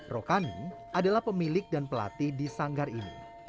rokani adalah pemilik dan pelatih di sanggar ini